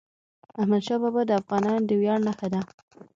احمدشاه بابا د افغانانو د ویاړ نښه ده.